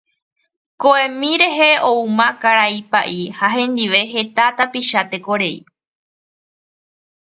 Ko'ẽmi rehe oúma karai Pa'i ha hendive heta tapicha tekorei.